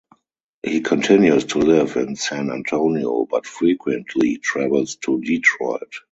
He continues to live in San Antonio, but frequently travels to Detroit.